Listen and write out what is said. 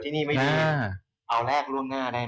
แต่จริงถ้าคุณเห็นภาพรวมเดี๋ยวที่นั่นดีค่ะ